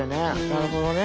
なるほどね。